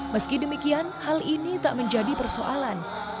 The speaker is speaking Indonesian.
meski demikian hal ini tak menjadi persoalan